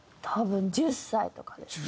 多分１０歳とかで。